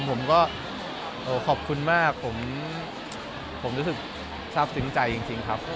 ผมก็ขอบคุณมากผมรู้สึกทราบซึ้งใจจริงครับ